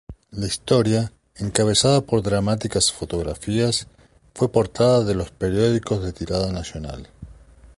La historia, encabezada por dramáticas fotografías, fue portada de los periódicos de tirada nacional.